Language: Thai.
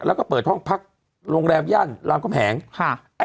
แล้วก็เปิดห้องพักโรงแรมย่านรามกำแหงค่ะ